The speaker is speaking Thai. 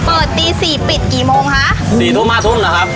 เปิดตีสี่ปิดกี่โมงฮะสี่ทุ่มห้าทุ่มนะครับ